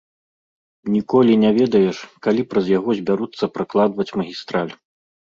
Ніколі не ведаеш, калі праз яго збяруцца пракладваць магістраль.